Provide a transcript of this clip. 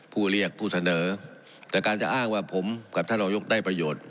ผู้เรียกผู้เสนอแต่การจะอ้างว่าผมกับท่านรองยกได้ประโยชน์